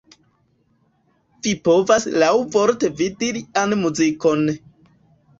Vi povas laŭvorte vidi lian muzikon.